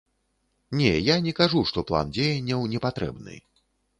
Не, я не кажу, што план дзеянняў не патрэбны.